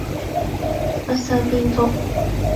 不修邊幅